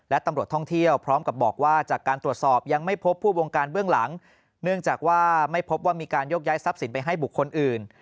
และตำรวจท่องเที่ยวพร้อมกับบอกว่าจากการตรวจสอบยังไม่พบผู้วงการเบื้องหลังเนื่องจากว่าไม่พบว่ามีการยกย้ายทรัพย์สินไปให้บุคคลอื่น